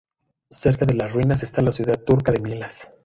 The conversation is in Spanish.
Cerca de las ruinas está la ciudad turca de Milas.